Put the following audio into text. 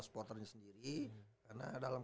supporternya sendiri karena dalam